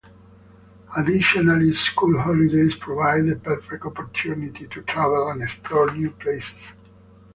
Additionally, school holidays provide the perfect opportunity to travel and explore new places.